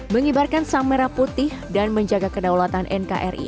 mengibarkan samara putih dan menjaga kedaulatan nkri